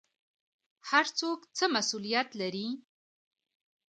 هر څوک څه مسوولیت لري؟